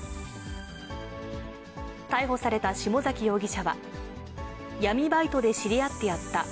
逮捕された下崎容疑者は、闇バイトで知り合ってやった。